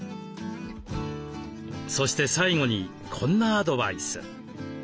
そして最後にこんなアドバイス。